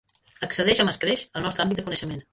Excedeix amb escreix el nostre àmbit de coneixement.